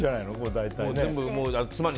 大体。